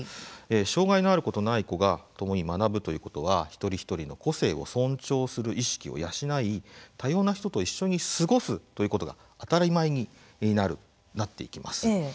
障害のある子とない子がともに学ぶということは一人一人の個性を尊重する意識を養い、多様な人と一緒に過ごすということが当たり前になっていきます。